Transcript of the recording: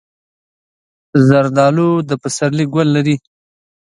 زردالو د پسرلي ګل لري.